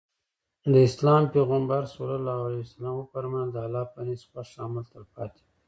د اسلام پيغمبر ص وفرمايل د الله په نزد خوښ عمل تلپاتې وي.